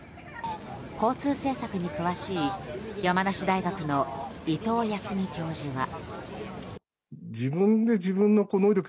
交通政策に詳しい山梨大学の伊藤安海教授は。